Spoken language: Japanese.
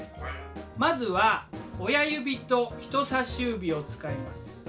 まずは親指と人さし指を使います。